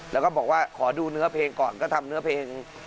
แล้วก็บอกว่าขอดูเนื้อเพลงก่อนก็ทำเนื้อเพลง